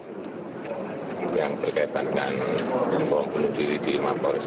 sudah mendapat laporan pak dari mana anggotanya